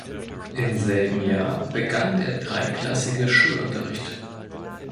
Im selben Jahr begann der dreiklassige Schulunterricht.